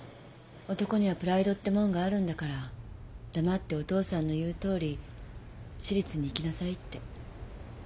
男にはプライドってもんがあるんだから黙ってお父さんの言うとおり私立に行きなさいって。